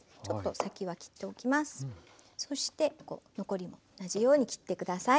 そして残りも同じように切って下さい。